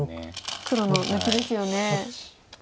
黒の抜きですよね。